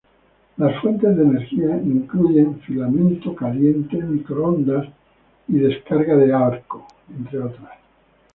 Las fuentes de energía incluyen filamento caliente, microondas, y descargas de arco, entre otras.